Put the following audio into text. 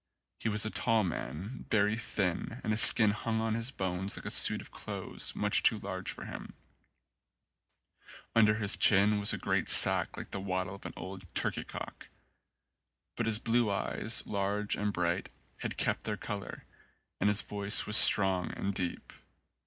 He was a tall man, very thin, and his skin hung on his bones like a suit of clothes much too large for him : under his chin was a great sack like the wattle of an old turkey cock; but his blue eyes, large and bright, had kept their colour, and his voice was strong and deep.